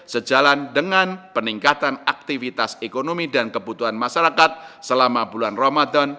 sejalan dengan peningkatan aktivitas ekonomi dan kebutuhan masyarakat selama bulan ramadan